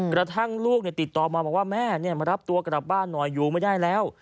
กระทั่งลูกติดต่อมาบอกว่าแม่มารับตัวกลับบ้านหน่อยอยู่ไม่ได้แล้ว